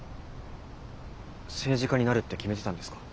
政治家になるって決めてたんですか？